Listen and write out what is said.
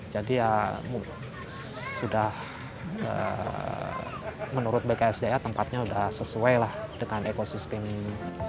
jadi ya sudah menurut bksda tempatnya sudah sesuai lah dengan ekosistem ini